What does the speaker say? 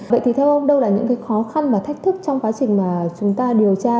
vậy thì theo ông đâu là những cái khó khăn và thách thức trong quá trình mà chúng ta điều tra